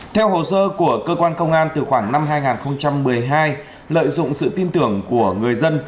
theo hồ sơ của cơ quan công an từ khoảng năm hai nghìn một mươi hai lợi dụng sự tin tưởng của người dân